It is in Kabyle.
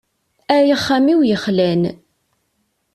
Ay axxam-iw yexlan!